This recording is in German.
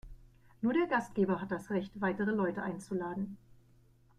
Nur der Gastgeber hat das Recht, weitere Leute einzuladen.